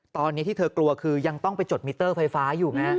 ตอนนี้ที่เธอกลัวคือยังต้องไปจดมิเตอร์ไฟฟ้าอยู่ไง